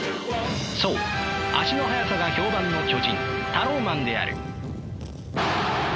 そう足の速さが評判の巨人タローマンである。